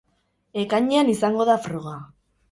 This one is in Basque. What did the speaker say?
Ekainean izango da froga.